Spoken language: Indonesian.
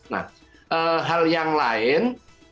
nah hal yang lain